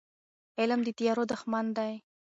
علم د تیارو دښمن دی.